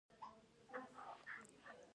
د سره رود ولسوالۍ باغونه لري